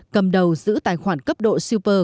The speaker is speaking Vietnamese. cầm đầu giữ tài khoản cấp độ super